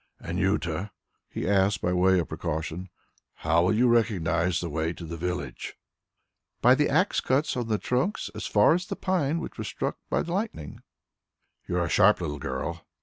"Anjuta," he asked by way of precaution, "how will you recognize the way to the village?" "By the axe cuts on the trunks as far as the pine which was struck by lightning." "You are a sharp little girl."